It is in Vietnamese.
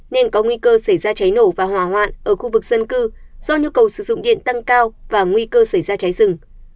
nên có nguy cơ xảy ra cháy nổ và hỏa hoạn ở khu vực dân cư do nhu cầu sử dụng điện tăng cao và nguy cơ xảy ra cháy rừng